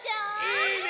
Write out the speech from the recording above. いいね！